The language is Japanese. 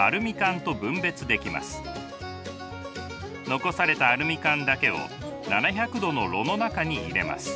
残されたアルミ缶だけを７００度の炉の中に入れます。